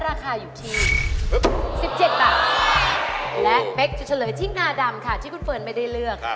ราคาดำค่ะที่คุณเฟิร์นไม่ได้เลือก